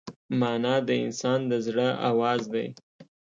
مانا د انسان د زړه آواز دی.